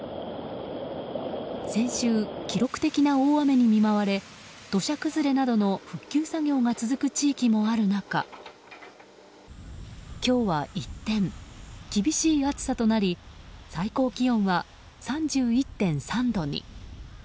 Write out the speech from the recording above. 先週、記録的な大雨に見舞われ土砂崩れなどの復旧作業が続く地域もある中今日は一転、厳しい暑さとなり最高気温は３１．３度に。